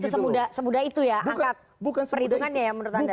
itu semudah itu ya angkat perhitungannya ya menurut anda